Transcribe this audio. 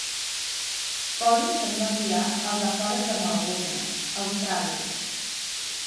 Collins es va criar als afores de Melbourne (Austràlia).